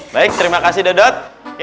baik terima kasih dodot